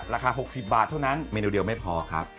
ราคา๖๐บาทเท่านั้นเมนูเดียวไม่พอครับ